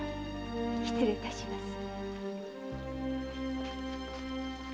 失礼いたします。